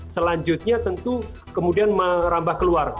selanjutnya tentu kemudian merambah keluar